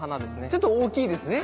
ちょっと大きいですね。